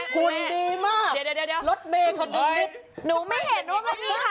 หุ้นดีมากรถเมฆท่อนิดสิ